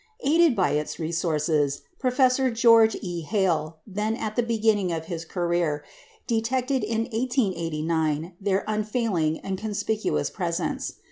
Aided by its resources, Professor George E. Hale, then at the beginning of his career, detected in 1889 their unfailing and conspicuous presence.